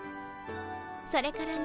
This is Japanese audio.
それからね